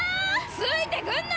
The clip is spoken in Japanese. ついてくんな！